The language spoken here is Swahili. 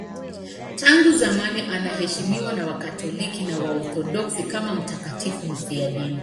Tangu zamani anaheshimiwa na Wakatoliki na Waorthodoksi kama mtakatifu mfiadini.